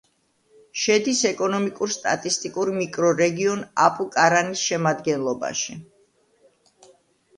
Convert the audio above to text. შედის ეკონომიკურ-სტატისტიკურ მიკრორეგიონ აპუკარანის შემადგენლობაში.